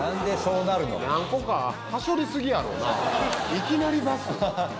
いきなりバス？